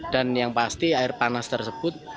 dan yang pasti air panas tersebut